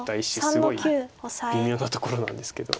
すごい微妙なところなんですけど。